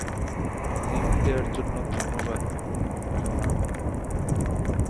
Lift দেয়ার জন্য ধন্যবাদ, জনাব।